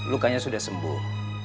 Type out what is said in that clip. lukanya sudah sembuh